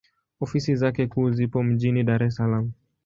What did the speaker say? Ofisi zake kuu zipo mjini Dar es Salaam.